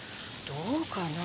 どうかな。